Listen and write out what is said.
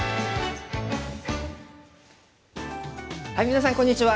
皆さんこんにちは。